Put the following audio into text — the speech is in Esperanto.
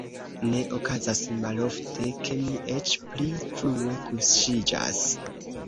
Ne okazas malofte, ke mi eĉ pli frue kuŝiĝas.